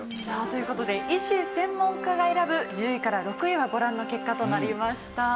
さあという事で医師・専門家が選ぶ１０位から６位はご覧の結果となりました。